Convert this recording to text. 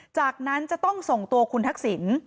จากนั้นจะต้องส่งตัวคุณทักษิณ